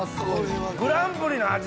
グランプリの味！